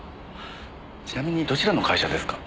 ちなみにどちらの会社ですか？